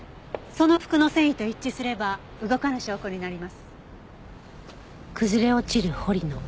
その服の繊維と一致すれば動かぬ証拠になります。